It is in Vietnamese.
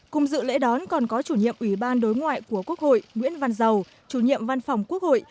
cùng dự lễ đón còn có chủ nhiệm ủy ban đối ngoại của quốc hội nguyễn văn giàu chủ nhiệm văn phòng quốc hội